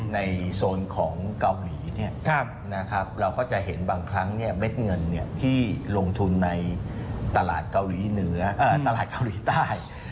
ในโซนของเกาหลีเราก็จะเห็นบางครั้งเม็ดเงินที่ลงทุนในตลาดเกาหลีใต้